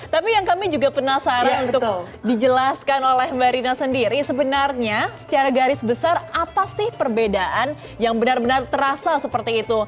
tapi yang kami juga penasaran untuk dijelaskan oleh mbak rina sendiri sebenernya cara garis besar apa sih perbedaan yang benar benar terasa yang agak banyak dan jenis ujaranya seperti itu ya